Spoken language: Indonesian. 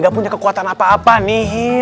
gak punya kekuatan apa apa nih